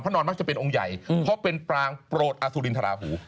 นอนมักจะเป็นองค์ใหญ่เพราะเป็นปรางโปรดอสุรินทราหู